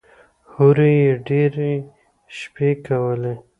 هورې يې ډېرې شپې کولې.